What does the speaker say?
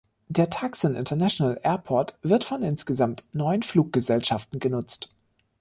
Der Tucson International Airport wird von insgesamt neun Fluggesellschaften genutzt.